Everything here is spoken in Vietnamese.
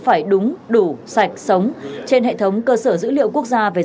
phải đúng đủ sạch sống trên hệ thống cơ sở dữ liệu quốc gia về dân cư